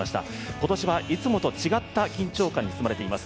今年はいつもと違った緊張感に包まれています。